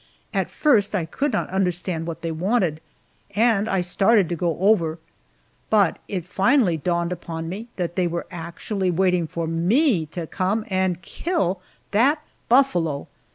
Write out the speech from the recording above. At first I could not understand what they wanted, and I started to go over, but it finally dawned upon me that they were actually waiting for me to come and kill that buffalo!